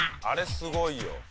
あれすごいよ。